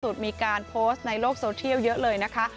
มีการโพสต์ในโลกโซเทียลเยอะเลยนะคะ